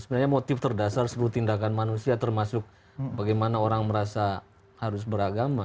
sebenarnya motif terdasar seluruh tindakan manusia termasuk bagaimana orang merasa harus beragama